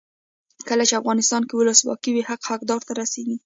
کله چې افغانستان کې ولسواکي وي حق حقدار ته رسیږي.